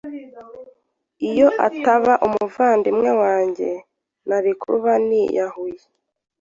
iyo ataba umuvandimwe wanjye nari kuba niyahuye!